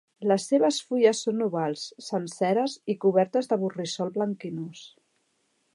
Les seves fulles són ovals, senceres i cobertes de borrissol blanquinós.